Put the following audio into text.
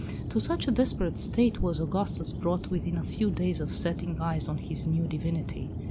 To such a desperate state was Augustus brought within a few days of setting eyes on his new divinity!